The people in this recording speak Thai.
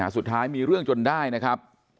สุดท้ายมีเรื่องจนได้นะครับ